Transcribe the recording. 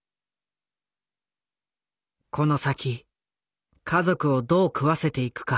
この先家族をどう食わせていくか。